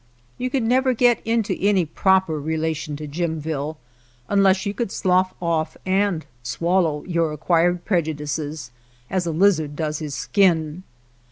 You could never get into any proper re lation to Jimville unless you could slough off and swallow your acquired prejudices as a lizard does his skin.